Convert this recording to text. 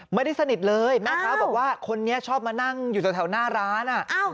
ไม่ได้สนิทเลยแม่ค้าบอกว่าคนนี้ชอบมานั่งอยู่แถวหน้าร้าน